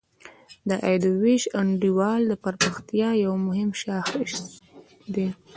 د عاید ویش انډول د پرمختیا یو مهم شاخص دی.